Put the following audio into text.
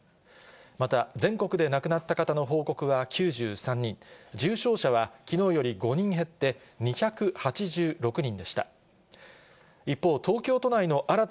また全国で亡くなった方の報告は９３人、重症者はきのうより５人減って２８６人でした。